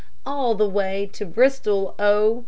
All the way to Bristol, oh!